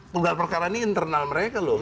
tunggal perkara ini internal mereka loh